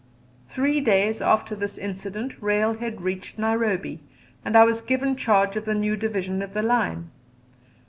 Three days after this incident railhead reached Nairobi, and I was given charge of the new division of the line.